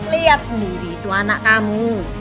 lihat sendiri itu anak kamu